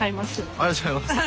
ありがとうございます。